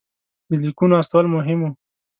د لیکونو استول مهم وو.